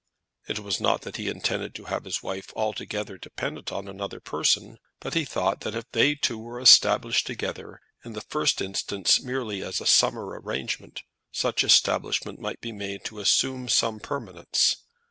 It was not that he intended to have his wife altogether dependent on another person, but he thought that if they two were established together, in the first instance merely as a summer arrangement, such establishment might be made to assume some permanence.